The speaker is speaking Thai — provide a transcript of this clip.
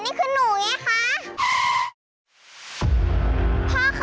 คือหนูไงคะ